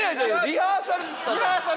リハーサルか。